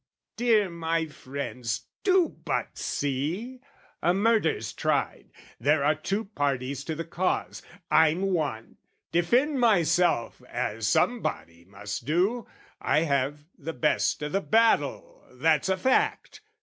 Dear my friends, do but see! A murder's tried, There are two parties to the cause: I'm one, Defend myself, as somebody must do: I have the best o' the battle: that's a fact.